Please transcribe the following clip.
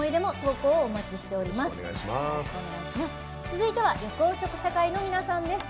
続いては緑黄色社会の皆さんです。